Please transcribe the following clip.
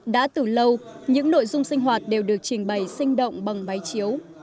đã từ lâu những nội dung sinh hoạt đều được trình bày sinh động bằng máy chiếu